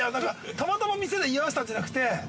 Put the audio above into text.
たまたま店で居合わせたんじゃなくて。